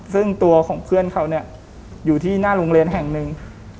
ซึ่งตัวของเพื่อนเขาเนี่ยอยู่ที่หน้าโรงเรียนแห่งหนึ่ง